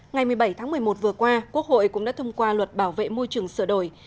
ngày một mươi bảy tháng một mươi một vừa qua quốc hội cũng đã thông qua luật bảo vệ môi trường sửa đổi